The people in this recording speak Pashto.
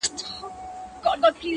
هغه زما خبري پټي ساتي _